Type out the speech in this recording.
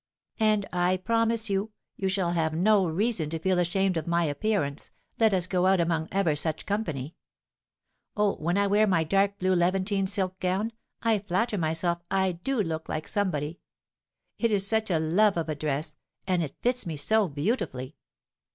And I promise you, you shall have no reason to feel ashamed of my appearance, let us go out among ever such company. Oh, when I wear my dark blue levantine silk gown, I flatter myself I do look like somebody! It is such a love of a dress, and fits me so beautifully!